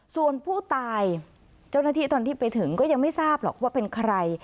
ส่วนผู้ตายเจ้าหน้าที่ตอนที่ไปถึงก็ยังไม่ทราบหรอกว่าเป็นใคร